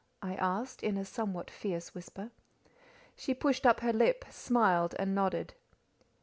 I asked, in a somewhat fierce whisper. She pushed up her lip, smiled, and nodded.